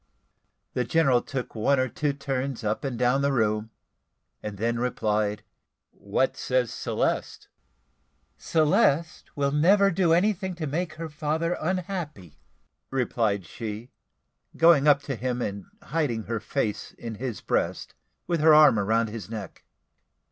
The general took one or two turns up and down the room, and then replied "What says Celeste?" "Celeste will never do anything to make her father unhappy," replied she, going up to him and hiding her face in his breast, with her arm round his neck.